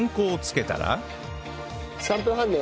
３分半ね。